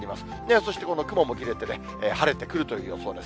そして雲も切れてね、晴れてくるという予想です。